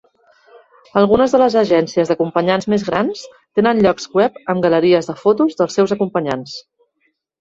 Algunes de les agències d'acompanyants més grans tenen llocs web amb galeries de fotos dels seus acompanyants.